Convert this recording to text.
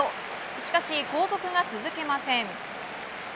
しかし、後続が続けません。